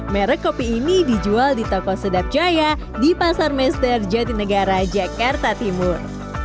merek kopi ini dijual di toko sedap jaya di pasar mester jatinegara jakarta timur